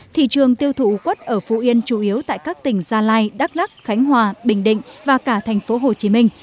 thị trường tiêu thụ quất ở phú yên chủ yếu tại các tỉnh gia lai đắk lắc khánh hòa bình định và cả thành phố hồ chí minh